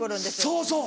そうそう。